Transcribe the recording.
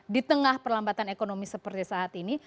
di tengah perlambatan ekonomi seperti saat ini